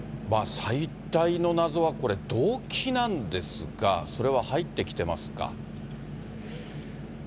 最大の謎はこれ、動機なんですが、それは入ってきてますか？